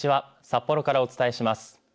札幌からお伝えします。